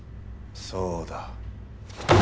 そうだ。